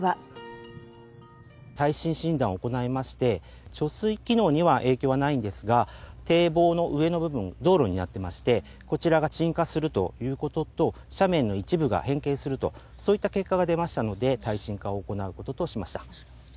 耐震診断を行いまして、貯水機能には影響はないんですが、堤防の上の部分、道路になってまして、こちらが沈下するということと、斜面の一部が変形すると、そういった結果が出ましたので、耐震化を行うこととしました。